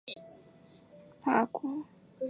瓦兹省是法国皮卡迪大区所辖的省份。